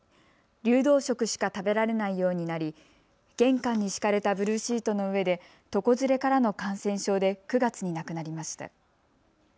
流動食しか食べられないようになり玄関に敷かれたブルーシートの上で床ずれからの感染症で９月に亡くなりました。